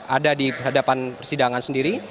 ada di hadapan persidangan sendiri